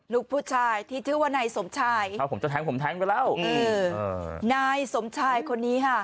ลูกผู้ชายที่ชื่อว่านายสมชายครับผมจะผมไปแล้วอืมเออนายสมชายคนนี้ฮะ